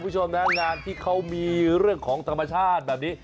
ต้นแม่งานที่เขามีเรื่องของธรรมชาติแบบนี้